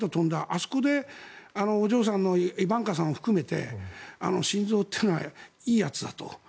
あそこでお嬢さんのイバンカさんを含めてシンゾウというのはいいやつだと。